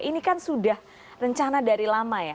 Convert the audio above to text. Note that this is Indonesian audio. ini kan sudah rencana dari lama ya